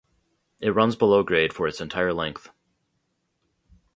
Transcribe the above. It runs below grade for its entire length.